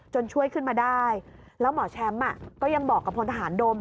ช่วยขึ้นมาได้แล้วหมอแชมป์ก็ยังบอกกับพลทหารโดม